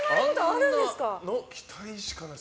期待しかない。